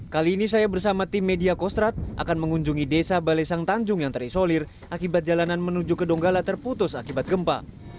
kali ini saya bersama tim media kostrat akan mengunjungi desa balesang tanjung yang terisolir akibat jalanan menuju ke donggala terputus akibat gempa